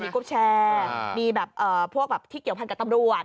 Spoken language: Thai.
กรุ๊ปแชร์มีแบบพวกแบบที่เกี่ยวพันกับตำรวจ